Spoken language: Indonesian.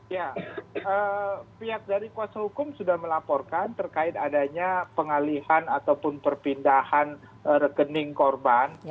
ya pihak dari kuasa hukum sudah melaporkan terkait adanya pengalihan ataupun perpindahan rekening korban